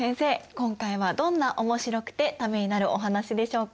今回はどんなおもしろくてためになるお話でしょうか？